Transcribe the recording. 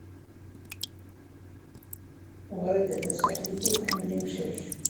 Wrida Tasaḥlit ur tḥemmel imcac.